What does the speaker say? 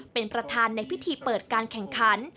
เป็นประธานในพิธีเปิดการแข่งขัน